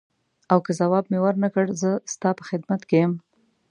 او که ځواب مې ورنه کړ زه ستا په خدمت کې یم.